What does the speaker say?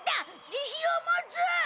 自信を持つ！